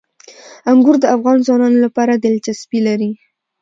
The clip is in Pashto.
انګور د افغان ځوانانو لپاره دلچسپي لري.